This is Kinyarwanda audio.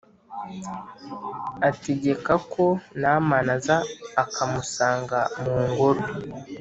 Ategekako namani aza akamusanga mungoro